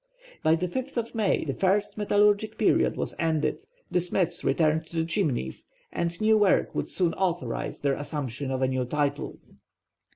By the 5th of May the first metallurgic period was ended, the smiths returned to the Chimneys, and new work would soon authorize their assumption of a new title.